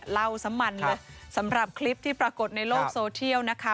ซ้ำมันเลยสำหรับคลิปที่ปรากฏในโลกโซเทียลนะคะ